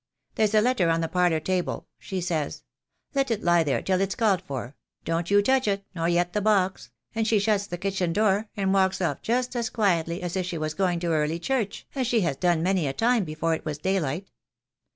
There's a letter on the parlour table,' she says. 'Let it lie there till it's called for — don't you touch it, nor yet the box,' and she shuts the kitchen door and walks off just as quietly as if she was going to early church, as she has done many a time before it was daylight.